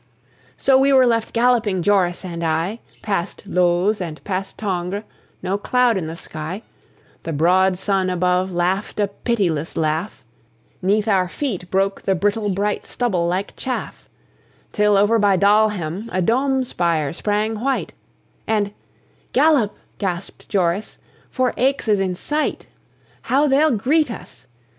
So, we were left galloping, Joris and I, Past Looz and past Tongres, no cloud in the sky; The broad sun above laughed a pitiless laugh, 'Neath our feet broke the brittle bright stubble like chaff; Till over by Dalhem a dome spire sprang white, And "Gallop," gasped Joris, "for Aix is in sight!" "How they'll greet us!"